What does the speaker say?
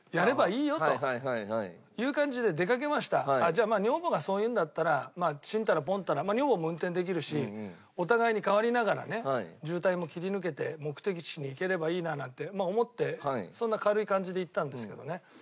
じゃあまあ女房がそう言うんだったらちんたらぽんたら女房も運転できるしお互いに代わりながらね渋滞も切り抜けて目的地に行ければいいななんて思ってそんな軽い感じで行ったんですけどね。